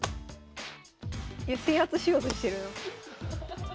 制圧しようとしてるな。